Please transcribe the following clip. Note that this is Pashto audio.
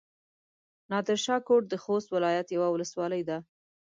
نادرشاه کوټ د خوست ولايت يوه ولسوالي ده.